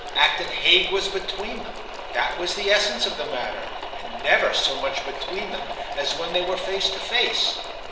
Acton Hague was between them—that was the essence of the matter, and never so much between them as when they were face to face.